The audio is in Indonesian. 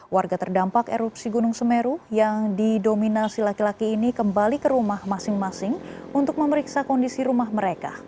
warga terdampak erupsi gunung semeru yang didominasi laki laki ini kembali ke rumah masing masing untuk memeriksa kondisi rumah mereka